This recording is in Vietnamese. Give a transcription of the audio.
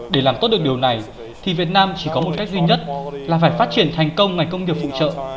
để làm tốt được điều này thì việt nam chỉ có một cách duy nhất là phải phát triển thành công ngành công nghiệp phụ trợ